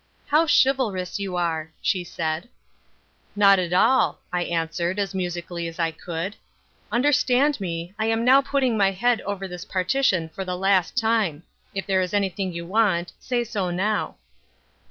"How chivalrous you are," she said. "Not at all," I answered, as musically as I could. "Understand me, I am now putting my head over this partition for the last time. If there is anything you want, say so now."